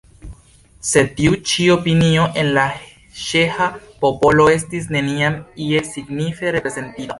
Sed tiu ĉi opinio en la ĉeĥa popolo estis neniam iel signife reprezentita.